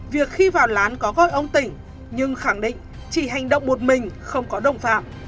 việc khi vào lán có voi ông tỉnh nhưng khẳng định chỉ hành động một mình không có đồng phạm